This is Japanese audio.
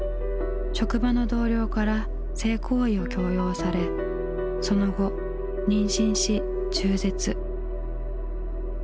職場の同僚から性行為を強要されその後妊娠し中絶。